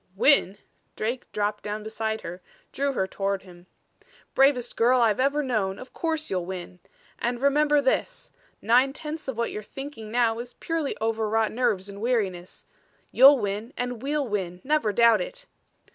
"Win?" Drake dropped down beside her, drew her toward him. "Bravest girl I've known of course you'll win. And remember this nine tenths of what you're thinking now is purely over wrought nerves and weariness. You'll win and we'll win, never doubt it."